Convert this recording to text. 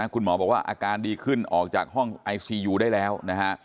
คุณหมอบอกว่าอาการดีขึ้นออกจากห้องไอซียูได้แล้วนะฮะ